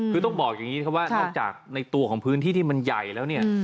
คือต้องบอกอย่างนี้ครับว่านอกจากในตัวของพื้นที่ที่มันใหญ่แล้วเนี่ย